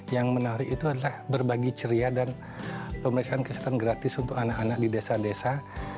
yang menarik itu adalah berbagi ceria dan pemeriksaan kesehatan gratis untuk anak anak di desa desa